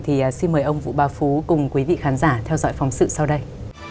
thì xin mời ông vũ ba phú cùng quý vị khán giả theo dõi phóng sự sau đây